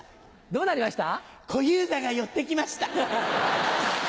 どうなりました？